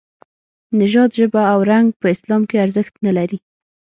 نژاد، ژبه او رنګ په اسلام کې ارزښت نه لري.